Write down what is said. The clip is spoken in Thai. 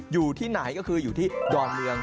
อยู่ที่ไหนก็คืออยู่ที่ดอนเมือง